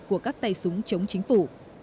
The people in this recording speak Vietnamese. của các tay súng chống chính phủ